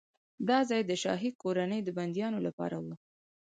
دا ځای د شاهي کورنۍ د بندیانو لپاره و.